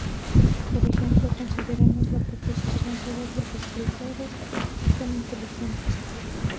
Por ejemplo, consideremos la proposición "todos los escritores son inteligentes".